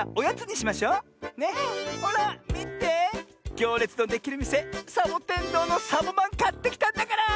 ぎょうれつのできるみせサボテンどうのサボまんかってきたんだから！